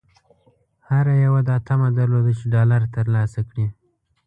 هر یوه دا طمعه درلوده چې ډالر ترلاسه کړي.